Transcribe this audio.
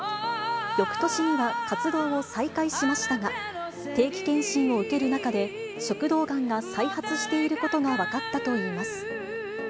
よくとしには活動を再開しましたが、定期検診を受ける中で、食道がんが再発していることが分かったといいます。